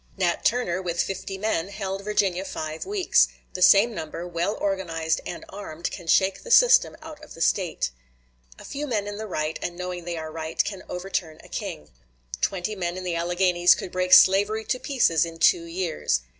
Nat Turner, with fifty men, held Virginia five weeks; the same number, well organized and armed, can shake the system out of the State." "A few men in the right, and knowing they are right, can overturn a king. Twenty men in the Alleghanies could break slavery to pieces in two years."